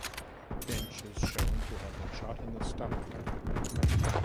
Finch is shown to have been shot in the stomach.